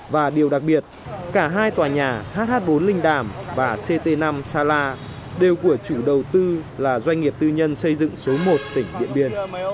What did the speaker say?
và điều đặc biệt cả hai tòa nhà hh bốn linh đàm và ct năm sa la đều của chủ đầu tư là doanh nghiệp tư nhân xây dựng số một tỉnh điện biên